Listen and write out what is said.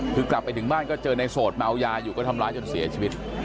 คือกลับไปถึงบ้านก็เจอในโสดเมายาอยู่ก็ทำร้ายจนเสียชีวิต